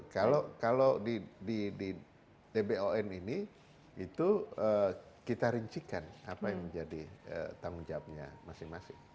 kalau di dbon ini itu kita rincikan apa yang menjadi tanggung jawabnya masing masing